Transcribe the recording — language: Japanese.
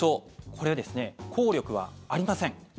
これは、効力はありません。